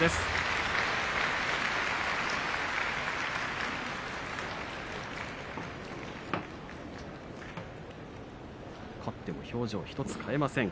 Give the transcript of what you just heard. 拍手勝っても表情１つ変えません。